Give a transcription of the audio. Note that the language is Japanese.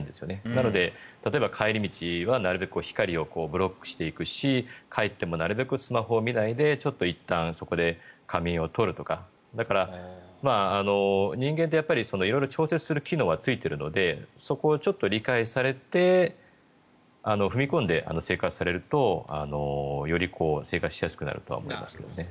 なので、例えば帰り道はなるべく光をブロックしていくし帰ってもなるべくスマホを見ないでいったんそこで仮眠を取るとかだから人間って色々調節する機能はついているのでそこをちょっと理解されて踏み込んで生活されるとより生活しやすくなるとは思いますけどね。